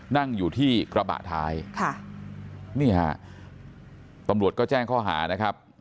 นั่งอยู่ที่กระบะท้ายค่ะนี่ฮะตำรวจก็แจ้งข้อหานะครับ